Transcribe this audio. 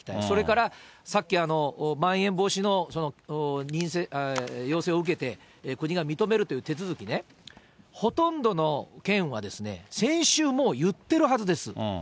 それからさっき、まん延防止の要請を受けて、国が認めるという手続きね、ほとんどの県は、先週、もう言ってるはずです。